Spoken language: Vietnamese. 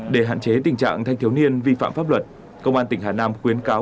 để hạn chế tình trạng thanh thiếu niên vi phạm pháp luật công an tỉnh hà nam khuyến cáo